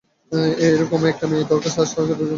এইরকমই একটা মেয়ে দরকার সারোগেটের জন্য।